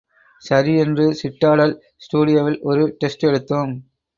சரி என்று சிட்டாடல் ஸ்டுடியோவில் ஒரு டெஸ்ட் எடுத்தோம்.